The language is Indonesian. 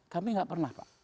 kita nggak pernah pak